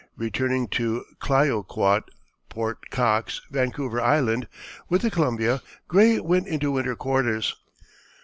Returning to Clyoquot, Port Cox, Vancouver Island, with the Columbia, Gray went into winter quarters.